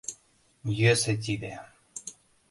Йӧсӧ тиде...